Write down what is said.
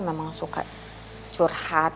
memang suka curhat